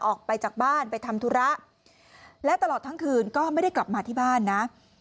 ออกไปจากบ้านไปทำธุระและตลอดทั้งคืนก็ไม่ได้กลับมาที่บ้านนะ